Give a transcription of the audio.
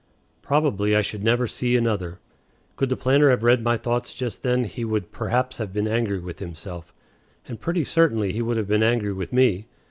Probably I should never see another. Could the planter have read my thoughts just then he would perhaps have been angry with himself, and pretty certainly he would have been angry with me.